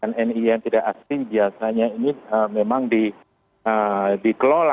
dan nii yang tidak asli biasanya ini memang di kelola